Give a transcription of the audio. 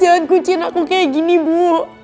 jangan kucing aku kayak gini bu